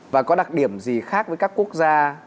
và có đặc điểm gì khác với các quốc gia